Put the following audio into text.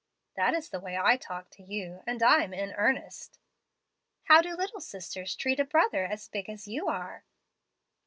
"'That is the way I talk to you, and I'm in earnest.' "'How do little sisters treat a brother as big as you are?'